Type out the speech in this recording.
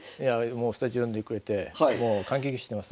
スタジオ呼んでくれて感激してます。